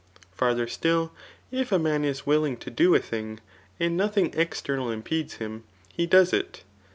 Far« tfaer stUl, if a man is willing to do a thing, and Jiotlub^ ertemal impedes him, he does it.